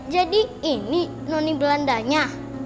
jadi ini noni belandanya